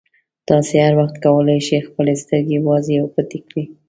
تاسې هر وخت کولای شئ خپلې سترګې وازې او پټې کړئ.